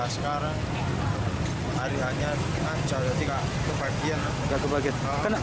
sekarang hari hanya jauh jauh kebagian